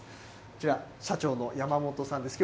こちら、社長の山本さんです。